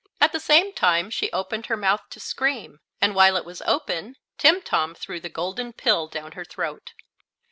At the same time she opened her mouth to scream, and while it was open Timtom threw the golden pill down her throat.